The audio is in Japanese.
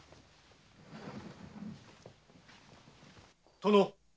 殿。